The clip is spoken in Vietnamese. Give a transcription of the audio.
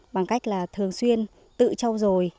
bằng cách là thường xuyên tự trau dồi